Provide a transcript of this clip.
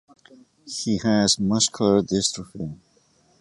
He has muscular dystrophy.